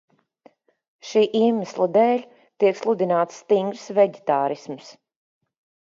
Šī iemesla dēļ tiek sludināts stingrs veģetārisms.